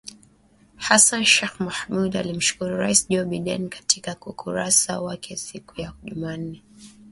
Hassan Sheikh Mohamud alimshukuru Rais Joe Biden katika ukurasa wake siku ya Jumanne